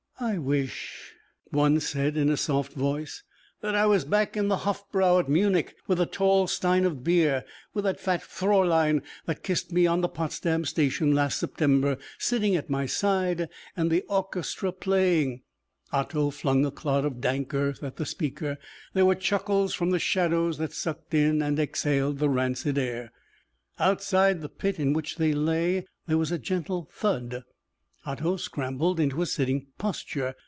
"I wish," one said in a soft voice, "that I was back in the Hofbrau at Munich with a tall stein of beer, with that fat Fräulein that kissed me in the Potsdam station last September sitting at my side and the orchestra playing " Otto flung a clod of dank earth at the speaker. There were chuckles from the shadows that sucked in and exhaled the rancid air. Outside the pit in which they lay, there was a gentle thud. Otto scrambled into a sitting posture.